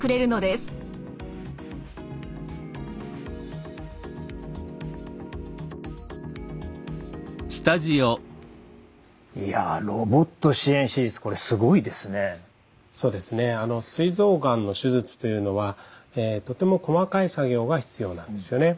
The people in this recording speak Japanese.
すい臓がんの手術というのはとても細かい作業が必要なんですよね。